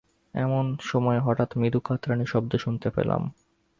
এমন সময়ে হঠাৎ মৃদু কাতরানির শব্দ শুনতে পেলাম।